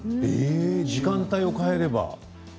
時間帯を変えれば？